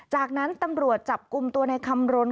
จากนั้นตำรวจจับกลุ่มตัวในคำรณ